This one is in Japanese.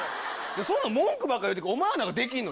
そんな文句ばっか言うてるけどお前は何かできんの？